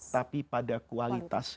tapi pada kualitas